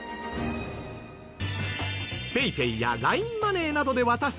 ＰａｙＰａｙやＬＩＮＥマネーなどで渡す